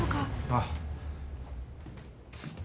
ああ。